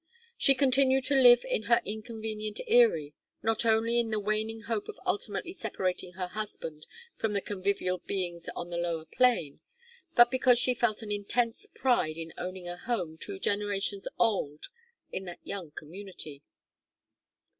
She continued to live in her inconvenient eyrie, not only in the waning hope of ultimately separating her husband from the convivial beings on the lower plain, but because she felt an intense pride in owning a home two generations old in that young community.